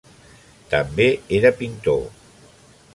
També era pintor.